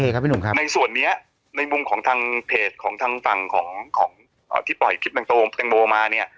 ในส่วนช้าในมุมของทางเพจทางฟังของที่ปล่อยคลิปแทงกลวงมา